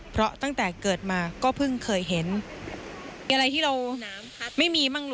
เพราะตั้งแต่เกิดมาก็เพิ่งเคยเห็น